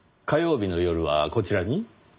火曜日の夜はこちらに？